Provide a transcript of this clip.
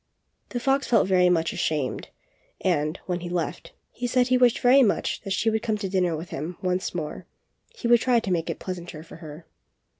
The fox felt very much ashamed, and, when he left, he said he wished very much that she 44 THE FOX AND THE STORK. would come to dinner with him once more; he would try to make it pleasanter for her.